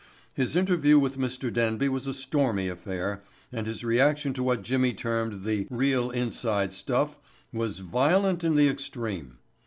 His interview with Mr. Denby was a stormy affair and his reaction to what Jimmy termed the "real inside stuff" was violent in the extreme.